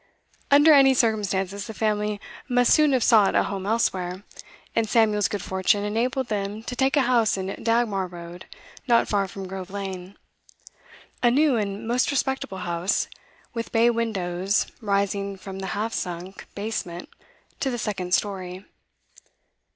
Under any circumstances, the family must soon have sought a home elsewhere, and Samuel's good fortune enabled them to take a house in Dagmar Road, not far from Grove Lane; a new and most respectable house, with bay windows rising from the half sunk basement to the second storey.